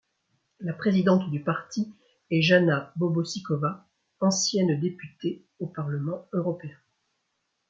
La présidente du parti est Jana Bobošíková, ancienne députée au Parlement européen.